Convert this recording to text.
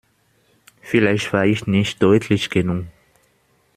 Vielleicht war ich nicht deutlich genug.